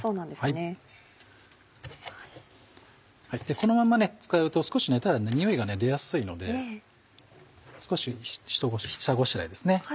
このまんま使うと少したらはにおいが出やすいので少し下ごしらえですね。